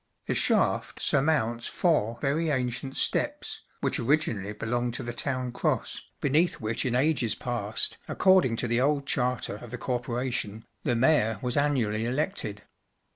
The shaft surmounts four very ancient steps, which originally belonged to the Town Cross, beneath which in ages past, according to the old charter of the Corporation, the Mayor was annually elected.